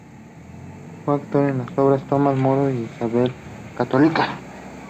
Fue actor en las obras "Tomas Moro" e "Isabel, la Católica".